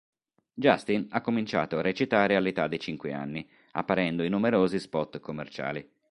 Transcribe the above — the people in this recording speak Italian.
Justin ha cominciato a recitare all'età di cinque anni, apparendo in numerosi spot commerciali.